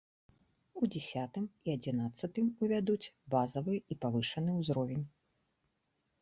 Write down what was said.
У дзясятым і адзінаццатым увядуць базавы і павышаны ўзровень.